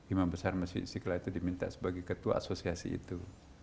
imam besar masjid istiqlal itu diminta sebagai ketua asosiasi itu